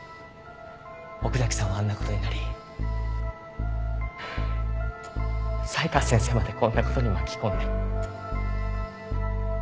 奥崎さんはあんな事になり才川先生までこんな事に巻き込んで。